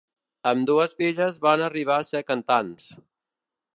Ambdues filles van arribar a ser cantants.